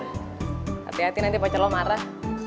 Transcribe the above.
hati hati nanti boco lo marah